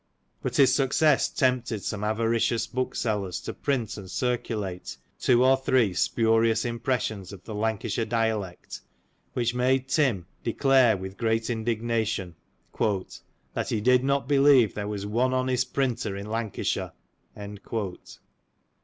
But his success tempted some avaricious booksellers to print and circulate two or three spurious im pressions of the Lancashire Dialect, which made Tim, declare vfith great indignation, " that he did not believe there was one honest printer in Lancashire."